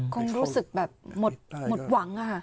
คงรู้สึกแบบหมดหวังค่ะ